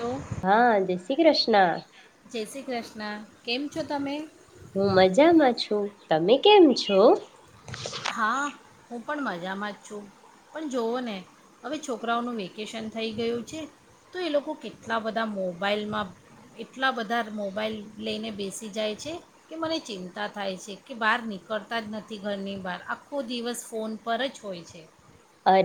Hello હા, જેસી કૃષ્ણ. જય શ્રી કૃષ્ણ. કેમ છો તમે? હું મજામાં છું. તમે કેમ છો? હા હું પણ મજામાં જ છું. પણ જોઓ ને હવે છોકરાઓનું વેકેશન થઈ ગયું છે તો એ લોકો કેટલા બધા મોબાઈલમાં એટલા બધા મોબાઈલ લઈને બેસી જાય છે કે મને ચિંતા થાય છે કે બહાર નીકળતા જ નથી ઘરની બહાર. આખો દિવસ ફોન પર જ હોય છે. અરે.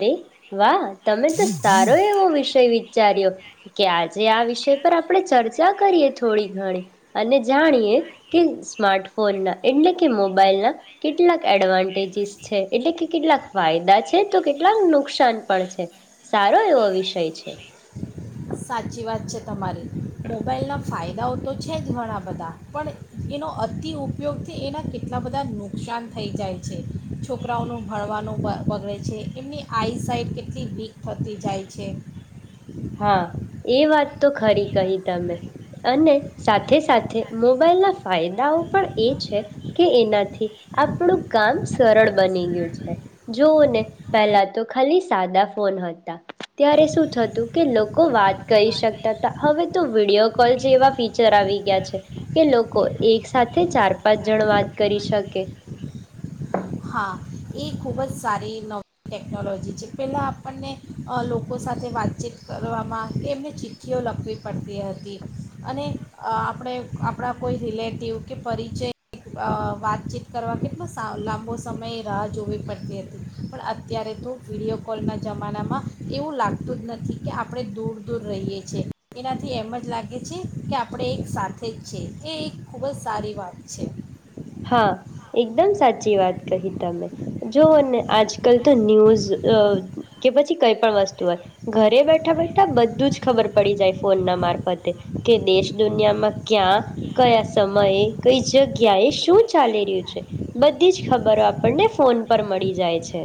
વાહ તમે તો સારો એવો વિષય વિચાર્યો કે આજે આ વિષય પર આપડે ચર્ચ ચા કરીએ થોડી ઘણી અને જાણીએ કે સ્માર્ટફોનના એટલે કે મોબાઈલના કેટલાક એડવાન્ટેજીસ છે એટલે કે કેટલાક ફાયદા છે તો કેટલાક નુકસાન પણ છે. સારો એવો વિષય છે. સાચી વાત છે તમારી. મોબાઈલના ફાય દાઓ તો છે જ ઘણા બધા પણ એનો અતિ ઉપયોગથી એના કેટલા બધા નુકસાન થઈ જાય છે. છોકરાઓનું ભણવાનું બ-બગડે છે એમની આઈ સાઇટ કેટલી વીક થતી જાય છે. હા. એ વાત તો ખરી કહી તમે અને સાથે સાથે મોબાઈલના ફાયદાઓ પણ એ છે કે એનાથી આપણું કામ સરળ બની ગયું છે. જોઓને પહેલા તો ખાલી સાદા ફોન હતા ત્યારે શું થતું કે લોકો વાત કરી શકતા હતા હવે તો વિડીયો કોલ એવા ફીચર આવી ગયા છે કે લોકો એક સાથે ચાર પાંચ જણ વાત કરી શકે. હા, એ ખૂબ જ સારી નવી ટેકનોલોજી છે પહેલાં આપણને અહ લોકો સાથે વાતચીત કરવામાં એમને ચિઠ્ઠીઓ લખવી પડતી હતી અને આપણે આપણા કોઈ રિલેટિવ કે પરિચય અહ વાતચીત કરવા કેટલો લાંબો સમયે રાહ જોવી પડતી હતી પણ અત્યારે તો વિડીયો કોલના જમાનામાં એવું લાગતું જ નથી કે આપણે દૂર દૂર રહીએ છીએ. એનાથી એમ જ લાગે છે કે આપણે એક સાથે જ છે એ એક ખૂબ જ સારી વાત છે. હા. એકદમ સાચી વાત કહી તમે. જોવ ને આજકાલ તો ન્યૂઝ અહ કે પછી કઈ પણ વસ્તુ હોય ઘરે બેઠા બેઠા બધું જ ખબર પડી જાય ફોન ના મારફતે કે દેશ દુનિયામાં ક્યાં કયા સમયે કઈ જગ્યાએ શું ચાલી રહ્યું છે. બધી જ ખબરો આપણને ફોન પર મળી જાય છે.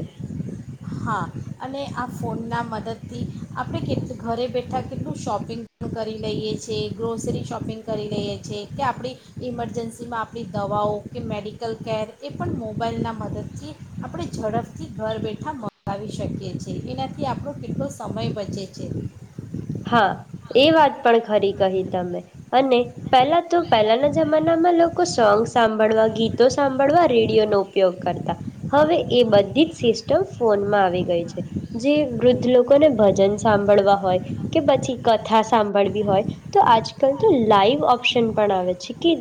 હા, અને આ ફોનના મદદથી આપડે કેટ ઘરે બેઠા કેટલું શોપિંગ પણ કરી લઈએ છ છેએ ગ્રોસરી શોપિંગ કરી લઈએ છીએ કે આપડી ઇમરજન્સીમાં આપડી દવાઓ કે મેડિકલ કેર એ પણ મોબાઈલના મદદથી આપડે ઝડપથી ઘર બેઠા મ લાવી શકીએ છીએ. એનાથી આપડો કેટલો સમય બચે છે. હા. એ વાત પણ ખરી કહી તમે. અને પહેલા તો પહેલાના જમાનામાં લોકો સોંગ સાંભળવા ગીતો સાંભળવા રેડિયોનો ઉપયોગ કરતા હવે એ બધી જ સિસ્ટમ ફોનમાં આવી ગઈ છે, જે વૃદ્ધ લોકોને ભજન સાંભળવા હોય કે પછી કથા સાંભળવી હોય તો આજકાલ તો લાઈવ ઓપ્શન પણ આવે છે કે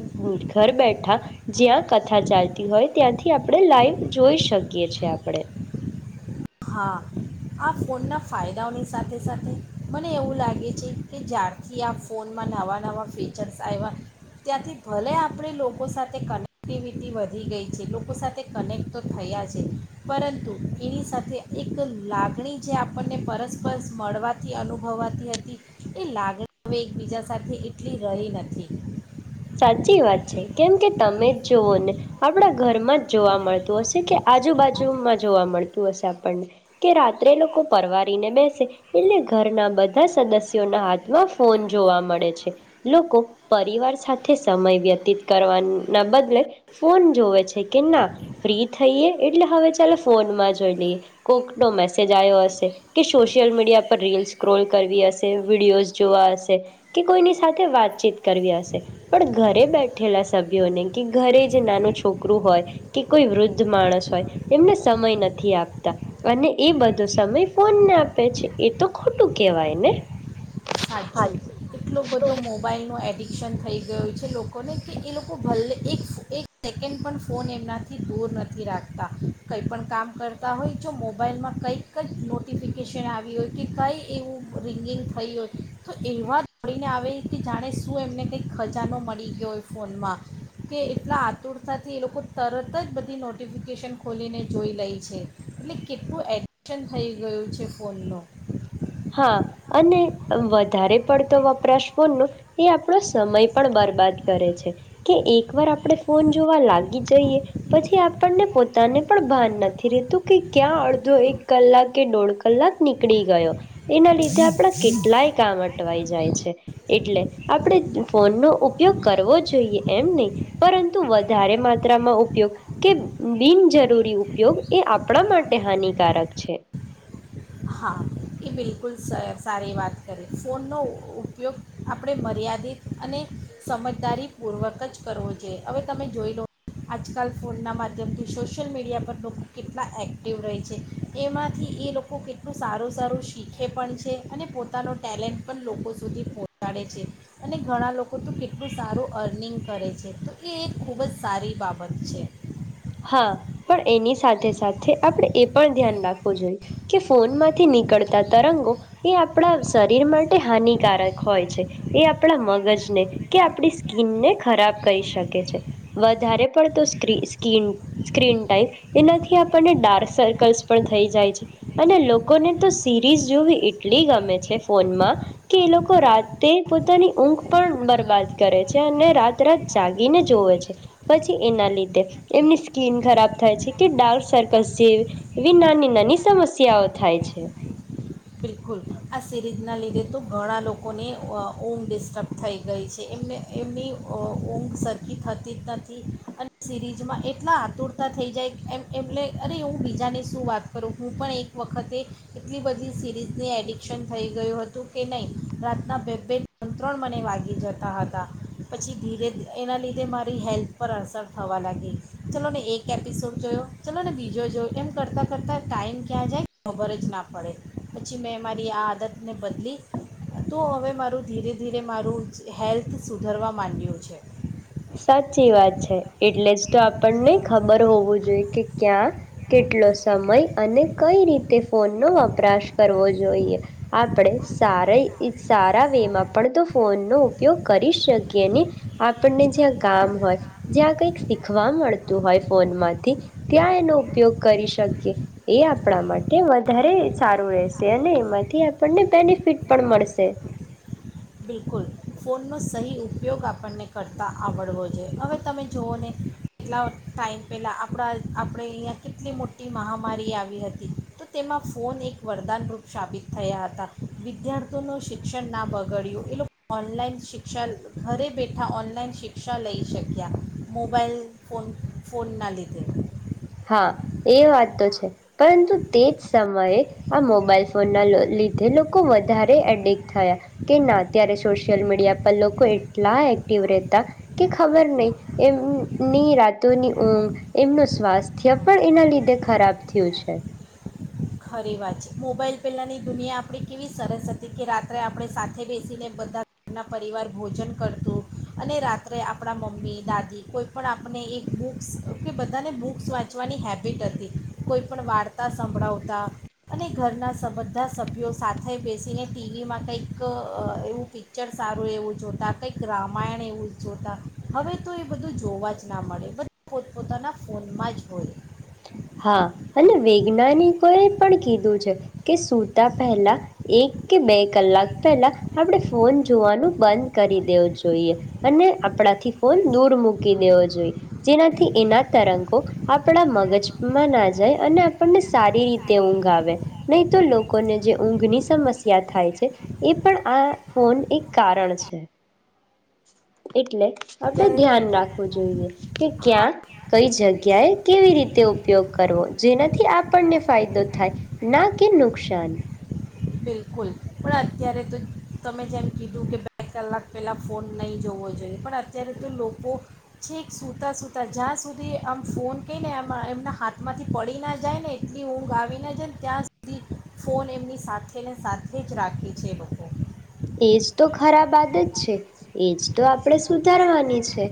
ઘર બેઠા જ્યાં કથા ચાલતી હોય ત્યાંથી આપડે લાઈવ જોઈ શકીએ છેએ આપડે. હા, આ ફોનના ફાયદાઓની સાથે સાથે મને એવું લાગે છે કે જ્યારથી આ ફોનમાં નવા નવા ફીચર્સ આવ્યા ત્યાંથી ભલે આપડે લોકો સાથે કનેક્ટિવિટી વધી ગઈ છે, લોકો સાથે કનેક્ટ તો થયા છે પરંતુ એની સાથે એક લાગણી જે આપણને પરસ્પર મળવાથી અનુભવાતી હતી એ લાગણી હવે એકબીજા સાથે એટલી રહી નથી. સાચી વાત છે. કેમ કે તમે જ જોવઓ ને આપણા ઘરમાં જ જોવા મળતું હશે કે આજુબાજુમાં જોવા મળતું હશે આપણને કે રાત્રે લોકો પરવારીને બેસે એટલે ઘરના બધા સદસ્યોના હાથમાં ફોન જોવા મળે છે. લોકો પરિવાર સાથ થે સમય વ્યતીત કરવાના બદલે ફોન જોવે છે કે ના ફ્રી થઈએ એટલે હવે ચાલ ફોનમાં જોઈ લઈએ. કોક નો મેસેજ આવ્યો હશે કે સોશિયલ મીડિયા પર રીલ સ્ક્રોલ કરવી હશે વિડીયોઝ જોવા હશે કે કોઈની સાથે વાતચીત કરવી હશે. પણ ઘરે બેઠેલા સભ્યોને કે ઘરે જે નાનું છોકરું હોય કે કોઈ વૃદ્ધ માણસ હોય એમને સમય નથી આપતા અને એ બધો સમય ફોનને આપે છે. એ તો ખોટું કેહેવાય ને? સાચું સાચી એટલો બધો મોબાઈલ નો એડિક સન થઈ ગયું હોય છે લોકોને કે એ લોકો ભલે એક ફો એક સેકન્ડ પણ ફોન એમનાથી દૂર નથી રાખતા કંઈ પણ કામ કરતા હોય જો મોબાઈલમાં કંઈક કક નોટિફિકેશન આવી હોય કે કંઈ એવું રિંગિંગ થઈ હોય તો એવા દોડીને આવે કે જાણે શું એમને કંઈ ખજાનો મળી ગયોય ફોનમાં કે એટલા આતુરતાથી એ લોકો તરત જ બધી નોટિફિકેશન ખોલીને જોઈ લે છે. એટલે કેટલું એડિકશન થઈ ગયું છે ફોન નો. હા અને વધારે પડતો વપરાશ ફોનનો એ આપણો સમય પણ બરબાદ કરે છે કે એક વાર આપણે ફોન જોવા લાગી જઈએ પછી આપણને પોતાને પણ ભાન નથી રહેેતું કે ક્યાં અડધો એક કલાક કે દોઢ કલાક નીકળી ગયો. એના લીધે આપડા કેટલાય કામ અટ ટવાઈ જાય છે. એટલે આપડે ફોનનો ઉપયોગ તવાઈ કરવો જોઈએ એમ નહી પરંતુ વધારે માત્રામાં ઉપયોગ કે બિન જરૂરી ઉપયોગ એ આપડા માટે હાનિકારક છે. હા એ બિલકુલ સ-સારી વાત કરી ફોનનો ઉપયોગ આપણે મર્યાદિત અને સમજદારીપૂર્વક જ કરવો જોઈએ. હવે તમે જોઈ લો આજકાલ ફોનના માધ્યમથી સોશિયલ મીડિયા પર લોકો કેટલા એક્ટિવ રહે છે. એમાંથી એ લોકો કેટલું સારું સારું શીખે પણ છે અને પોતાનો ટેલેન્ટ પણ લોકો સુધી પહોંચાડે છે. અને ઘણા લોકો તો કેટલું સારું અર્નિંગ કરે છે. તો એ એક ખૂબ જ સારી બાબત છે. હા પણ એની સાથે સાથે આપદે એ પણ ધ્યાન રાખવું જોઈએ કે ફોનમાંથી નીકળતા તરંગો એ આપડા શરીર માટે હાનિકારક હોય છે. એ આપડા મગજને કે આપણી સ્કીનને ખરાબ કરી શકે છે. વધારે પડતો સ્ક્રિ ક્રીન સ્ક્રીન ટાઈમ એનાથી આપણને ડાર્ક સર્કલ્સ પણ થઈ જાય છે અને લોકોને તો સીરીઝ જોવી એટલી ગમે છે ફોનમાં કે એ લોકો રાતે પોતાની ઊંઘ પણ બરબાદ કરે છે અને રાત રાત જાગીને જોવે છે પછી એના લીધે એમની સ્કીન ખરાબ થાય છે કે ડાર્ક સર્કસ જે એવી નાની નાની સમસ્યાઓ થાય છે. બિલકુલ આ સિરીઝના લીધે તો ઘણા લોકોને અહ ઊંઘ ડિસ્ટર્બ થઈ ગઈ છે. એમને એમની ઊં -ઊંઘ સરખી થતી જ નથી અને સિરીઝમાં એટલા આતુરતા થઈ જાય એમ એમલે અરે હું બીજાની શું વાત કરું હું પણ એક વખતે એટલી બધી સિરી રીઝની એડિકશન થઈ ગયું હતું કે નહીં રાતના બે બે ત્રણ ત્રણ મને વાગી જતા હતા. પછી ધીરે એના લીધે મારી હેલ્થ પર અસર થવા લાગી ચલો ને એક એપિસોડ જોયો ચલો ને બીજો જોયો એમ કરતાં કરતાં ટાઈમ ક્યાં જાય ખબર જ ના પડે. પછી મેં મારી આ આદતને બદલી તો હવે મારું ધીરે ધીરે મારું હેલ્થ સુધરવા માંડ્યું છે. સાચી વાત છે. એટલે જ તો આપણને ખબર હોવું જોઈએ કે ક્યાં કેટલો સમય અને કઈ રીતે ફોનનો વપરાશ કરવો જોઈએ. આપડે સાર સારા વે માં પણ તો ફોનનો ઉપયોગ કરી શકીએ ને. આપણને જ્યાં કામ હોય જ્યાં કઈક શીખવા મળતું હોય ફોનમાંથી ત્યાં એનો ઉપયોગ કરી શકીએ એ આપડા માટે વધારે સારું રહેશે અને એમાંથી આપણને બેનિફિટ પણ મળશે. બિલકુલ ફોનનો સહી ઉપયોગ આપણને કરતાં આવડવો જોઈએ હવે તમે જુઓ ને કેટલા ટાઈમ પહેલાં આપડા આપડે અહીંયા કેટલી મોટી મહામારી આવી હતી તો તેમાં ફોન એક વરદાનરૂપ સાબિત થયા હતા. વિદ્યાર્થીઓનું શિક્ષણ ના બગડ્યું એ લોક ઓનલાઈન શિક્ષા ઘરે બેઠા ઓનલાઈન શિક્ષા લઈ શક્યા મોબાઈલ ફોન ફોનના લીધે. હા એ વાત તો છે પરંતુ તે જ સમયે આ મોબાઈલ ફોનના લ-લીધે લોકો વધારે એડિક્ટ થયા કે ના ત્યારે સોશિયલ મીડિયા પર લોકો એટલા એક્ટિવ રહેતા કે ખબર નહી એમની રાતોની ઊંઘ એમનું સ્વાસ્થ ત્ય પણ એના લીધે ખરાબ થયું છે. ખરી વાંચ મોબાઈલ પહેલાંની દુનિયા આપણી કેવી સરસ હતી કે રાત્રે આપણે સાથે બેસીને બધાના પરિવાર ભોજન કરતું અને રાત્રે આપડા મમ્મી દાદી કોઈપણ આપણે એક બુક્સ કે બધાને બૂક્સ વાંચવાની હેબિટ હતી કોઈપણ વાર્તા સંભળાવ તા અને ઘરના બધા સભ્યો સાથે બેસીને ટી વી માં કંઈક અહ એવું પિક્ચર સારું એવું જોતા કંઈક રામાયણ એવું જોતા હવે તો એ બધું જોવા જ ના મળે. બધા પોતપોતાના ફોનમાં જ હોય. હા અને વૈજ્ઞાનિકો એ પણ કીધું છે કે સુતા પહેલા એક કે બે કલાક પહેલા આપડે ફોન જોવાનું બંધ કરી દેવો જોઈએ અને આપણાથી ફોન દૂર મૂકી દેવો જોઈએ જેનાથી એના તરંગો આપડા મગજ ના જાય અને આપણને સારી રીતે ઊંઘ આવે નહી તો લોકોને જે ઊંઘની સમસ્યા થાય છે એ પણ આ ફોન એક કારણ છે. એટલે આપડે અત્યારે તો ધ્યાન રાખવું જોઈએ. કે હા ક્યાં કઈ જગ્યાએ કેવી રીતે ઉપયોગ કરવો જેનાથી આપણને ફાયદો થાય ના કે નુકસાન. બિલકુલ પણ અત્યારે તો તમે જેમ કીધું કે બે કલાક પહેલાં ફોન નહીં જોવો જોઈએ પણ અત્યારે તો લોકો છેક સૂતાં સુૂતા જ્યાં સુધી આમ ફોન કહીને આ એમના હાથમાંથી પડી ના જાય ને એટલી ઊંઘ આવી ના જાય ને ત્યાં સુધી ફોન એમની સાથ તેને સાથે જ રાખે છે એ લોકો. એજ તો ખરાબ આદ જ છે. એજ તો આપણે સુધારવાની છે.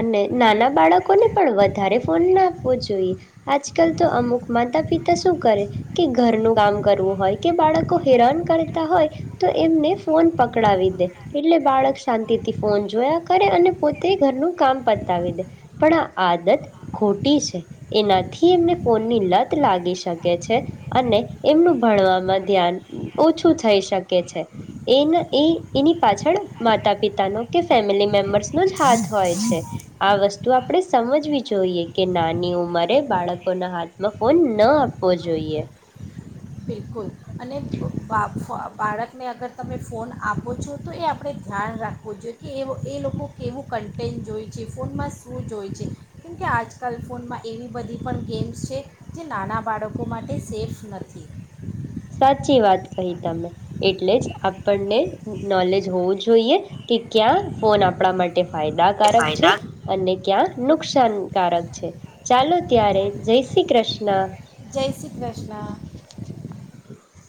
અને નાના બાળકોને પણ વધારે ફોન ના આપવો જોઈએ આજકાલ તો અમુક માતા પિતા શું કરે કે ઘરનું કામ કરવું હોય કે બાળકો હેરાન કરતા હોય તો એમને ફોન પકડાવી દે એટલે બાળક શાંતિથી ફોન જોયા કરે અને પોતે ઘરનું કામ પતાવી દે પણ આ આદત ખોટી છે એનાથી એમને ફોનની લત લાગી શકે છે અને એમનું ભણવામાં ધ્યાન ઓછું થઈ શકે છે. એના એ એની પાછળ માતા પિતાનો કે ફેમિલી મેમ્બર્સનો જ હાથ હોય છે. આ વસ્તુ આપણે સમજવી જોઈએ કે નાની ઉંમરે બાળકોના હાથમાં ફોન ન આપવો જોઈએ. બિલકુલ અને બા ફો બાળકને અગર તમે ફોન આપો છો તો એ આપડે ધ્યાન રાખવું જોઈએ કે એ એ લોકો કેવું કન્ટેન્ટ જોઈ છે ફોનમાં શું જોઈ છે કેમકે આજકાલ ફોનમાં એવી બધી પણ ગેમ્સ છે જે નાના બાળકો માટે સેફ નથી. સાચી વાત કહી તમે. એટલે જ આપણને નોલેજ હોવું જોઈએ કે ક્યાં ફોન આપડા માટે એ ફાયદાકારક છે ફાયદા અને ક્યાં નુકસાનકારક છે. ચાલો ત્યારે જય શ્રી કૃષ્ણ. જય શ્રી કૃષ્ણ.